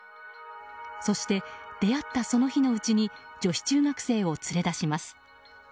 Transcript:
そして、出会ったその日のうちに女子中学生を連れ出します。